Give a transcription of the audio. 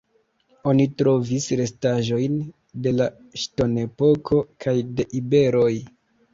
Oni trovis restaĵojn de la Ŝtonepoko kaj de iberoj.